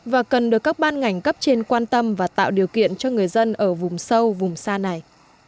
và cần được các ban ngành cấp trên quan tâm và tạo điều kiện cho người dân ở vùng sâu vùng xa này